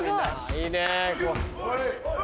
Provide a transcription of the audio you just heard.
いいね。